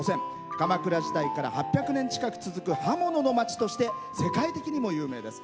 鎌倉時代から８００年近く続く刃物のまちとして世界的にも有名です。